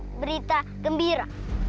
dan berita yang lebih baik